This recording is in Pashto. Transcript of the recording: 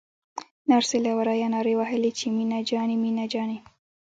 نرسې له ورايه نارې وهلې چې مينه جانې مينه جانې.